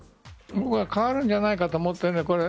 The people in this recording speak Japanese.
僕は変わるんじゃないかと思っている。